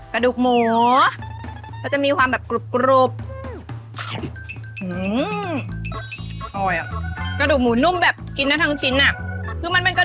กระดูกหมูมันจะมีความแบบกรุบ